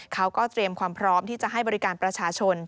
เขาก็เตรียมความพร้อมที่จะให้บริการประชาชน